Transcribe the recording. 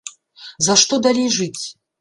За што далей жыць?